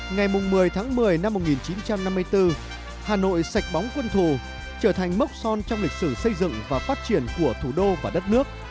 ngày một mươi tháng một mươi năm một nghìn chín trăm năm mươi bốn hà nội sạch bóng quân thù trở thành mốc son trong lịch sử xây dựng và phát triển của thủ đô và đất nước